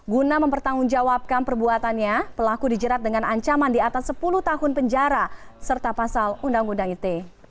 guna mempertanggungjawabkan perbuatannya pelaku dijerat dengan ancaman di atas sepuluh tahun penjara serta pasal undang undang ite